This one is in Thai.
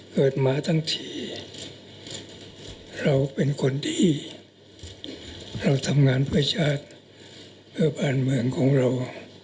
เกิดมาทั้งที่เราเป็นคนที่เราทำงานเพื่อชาติเพื่อบ้านเมืองของเรา